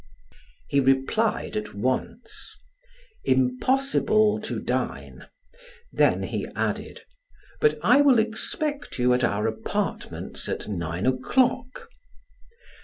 He replied at once: "Impossible to dine," then he added: "But I will expect you at our apartments at nine o'clock."